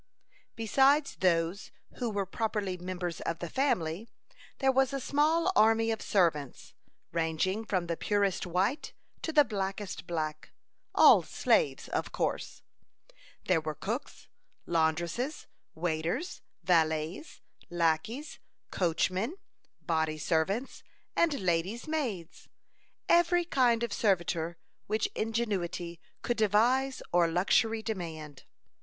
Besides those who were properly members of the family, there was a small army of servants, ranging from the purest white to the blackest black; all slaves, of course. There were cooks, laundresses, waiters, valets, lackeys, coachmen, body servants, and lady's maids; every kind of servitor which ingenuity could devise or luxury demand.